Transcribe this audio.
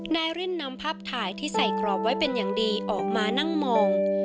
ริ่นนำภาพถ่ายที่ใส่กรอบไว้เป็นอย่างดีออกมานั่งมอง